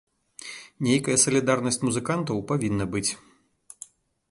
Нейкая салідарнасць музыкантаў павінна быць.